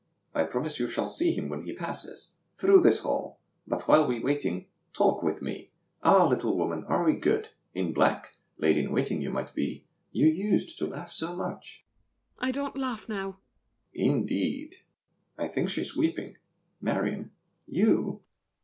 I promise you shall see him when he passes Through this hall. But while waiting, talk with me! Ah, little woman, are we good? In black? Lady in waiting you might be. You used To laugh so much. MARION. I don't laugh now. DUKE DE BELLEGARDE. Indeed! I think she's weeping! Marion! You?